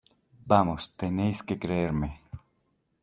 Vamos, tenéis que creerme.